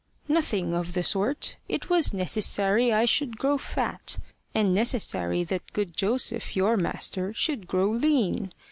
"Nothing of the sort. It was necessary I should grow fat, and necessary that good Joseph, your master, should grow lean.